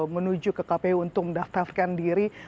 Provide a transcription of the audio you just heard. menuju ke kpu untuk mendaftarkan diri